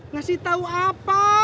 ngasih tau apa